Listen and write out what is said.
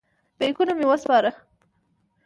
بیکونه مې وسپارم.